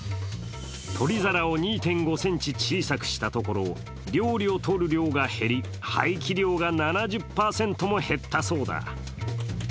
取り皿を２．５ｃｍ小さくしたところ、料理をとる量が減り、廃棄量が７０％も減ったようだ。